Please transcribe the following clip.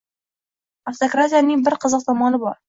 Avtokratiyaning bir qiziq tomoni bor.